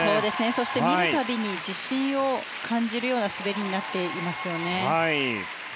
見るたびに自信を感じるような滑りになっていますね。